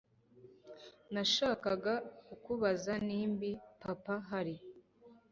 nashakaga kukubaza nimbi papa hari